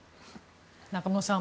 中室さん